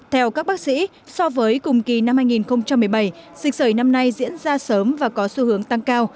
theo các bác sĩ so với cùng kỳ năm hai nghìn một mươi bảy dịch sởi năm nay diễn ra sớm và có xu hướng tăng cao